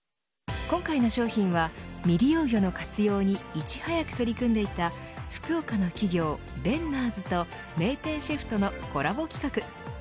今回の商品は未利用魚の活用にいち早く取り組んでいた福岡の企業、ベンナーズと名店シェフとのコラボ企画。